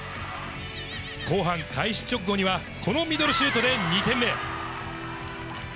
後半開始直後には、このミドルシュートで２点目。